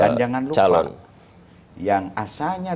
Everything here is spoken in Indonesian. dan jangan lupa yang asalnya